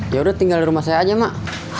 ya udah tinggal di rumah saya aja mak